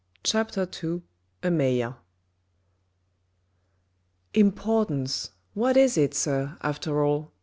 CHAPTER II A MAYOR Importance ! What is it, sir after all